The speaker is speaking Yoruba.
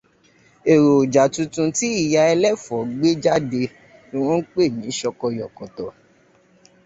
Èròjà tuntun tí Ìyá ẹlẹ́fọ̀ọ́ gbé jáde ni wọn ń pè ní ṣọkọyọ̀kọ̀tọ̀